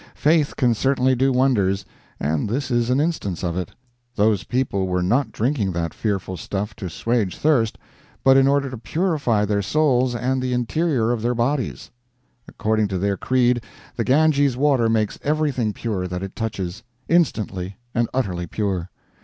Faith can certainly do wonders, and this is an instance of it. Those people were not drinking that fearful stuff to assuage thirst, but in order to purify their souls and the interior of their bodies. According to their creed, the Ganges water makes everything pure that it touches instantly and utterly pure.